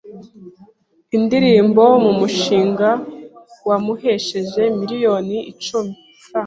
indirimbo mu mushinga wamuhesheje miliyoni icumi Frw